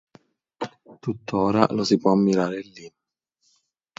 Tuttora lo si può ammirare lì.